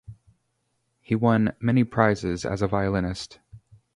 He won many prizes as a violinist.